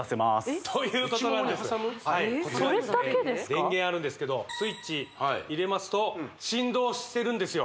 電源あるんですけどスイッチ入れますと振動してるんですよ